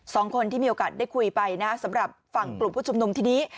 สองคนที่มีโอกาสได้คุยไปนะสำหรับฝั่งกลุ่มผู้ชุมนุมทีนี้